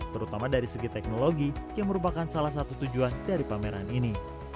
terutama dari segi teknologi yang merupakan salah satu tujuan dari pameran ini